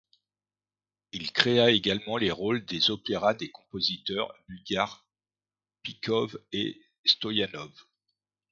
Il créa également les rôles des opéras des compositeurs bulgares Pipkov et Stoyanov.